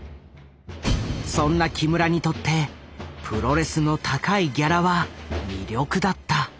そんな木村にとってプロレスの高いギャラは魅力だった。